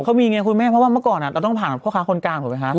ก็มีเนี้ยคุณแม่เพราะว่าเมื่อก่อนเราต้องผ่านคนกลาง